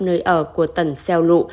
nơi ở của tần xeo lụ